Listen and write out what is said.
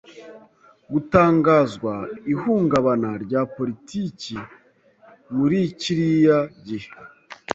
gutangazwa ihungabana rya politiki muri kiriya gihe